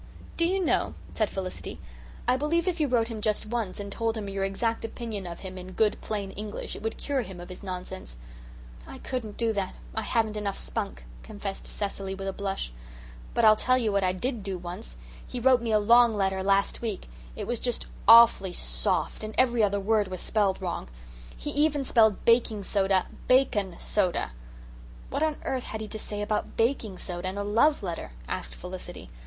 "Do you know," said Felicity, "I believe if you wrote him just once and told him your exact opinion of him in good plain English it would cure him of his nonsense." "I couldn't do that. I haven't enough spunk," confessed Cecily with a blush. "But I'll tell you what I did do once. He wrote me a long letter last week. It was just awfully SOFT, and every other word was spelled wrong. He even spelled baking soda, 'bacon soda!'" "What on earth had he to say about baking soda in a love letter?" asked Felicity.